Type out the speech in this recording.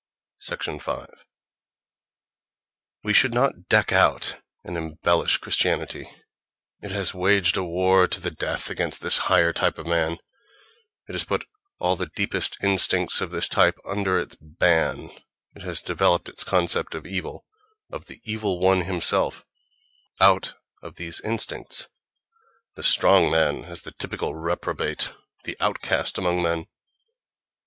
5. We should not deck out and embellish Christianity: it has waged a war to the death against this higher type of man, it has put all the deepest instincts of this type under its ban, it has developed its concept of evil, of the Evil One himself, out of these instincts—the strong man as the typical reprobate, the "outcast among men."